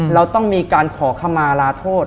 เราต้องมีการขอคำมาลาโทษ